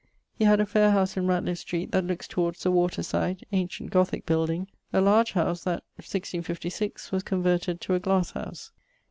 He had a fair house in Ratliff Street that lookes towards the water side, ancient Gothique building, a large house that, 1656, was converted to a glasse house.